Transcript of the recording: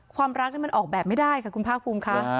ความรักมันออกแบบไม่ได้ค่ะคุณภาคภูมิค่ะ